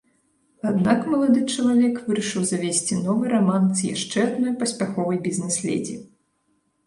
Аднак малады чалавек вырашыў завесці новы раман з яшчэ адной паспяховай бізнэс-ледзі.